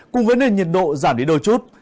cùng với nền nhiệt độ giảm đi đôi chút